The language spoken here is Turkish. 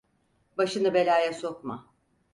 Başını belaya sokma.